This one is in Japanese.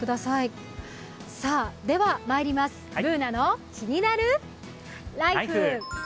では、「ＢｏｏｎａのキニナルＬＩＦＥ」。